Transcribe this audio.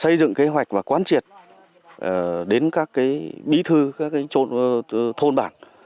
xây dựng kế hoạch và quán triệt đến các bí thư các thôn bản